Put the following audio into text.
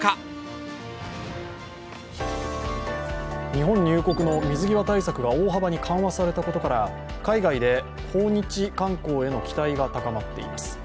日本入国の水際対策が大幅に緩和されたことから海外で訪日観光への期待が高まっています